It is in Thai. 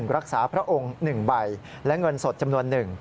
พระองค์๑ใบและเงินสดจำนวน๑